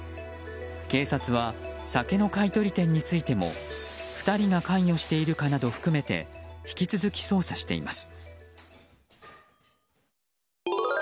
警察は酒の買い取り店についても２人が関与しているかなどを含めて引き続き捜査しています。